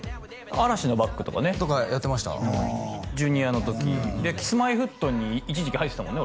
嵐のバックとかねとかやってましたジュニアの時でキスマイフットに一時期入ってたもんね